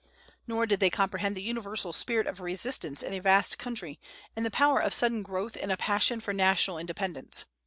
Nor did they comprehend the universal spirit of resistance in a vast country, and the power of sudden growth in a passion for national independence.